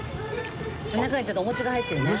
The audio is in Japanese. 中にちゃんとお餅が入ってるね。